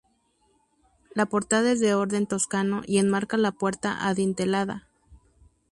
La portada es de orden toscano y enmarca la puerta adintelada.